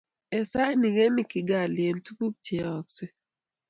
eng saini kemi Kigali eng tukuk che yooksei